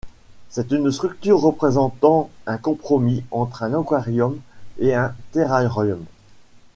C'est une structure représentant un compromis entre un aquarium et un terrarium.